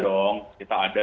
ada dong kita ada